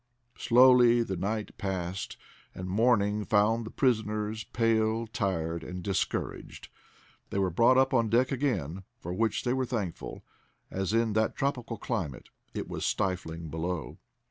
Slowly the night passed, and morning found the prisoners pale, tired and discouraged. They were brought up on deck again, for which they were thankful, as in that tropical climate it was stifling below.